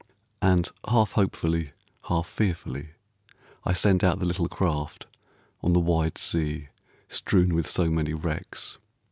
And half hopefully, half fearfully, I send out the little craft on the wide sea strewn with so many wrecks.